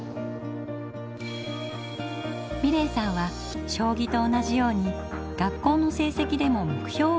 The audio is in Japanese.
美礼さんは将棋と同じように学校の成績でも目標を持っています。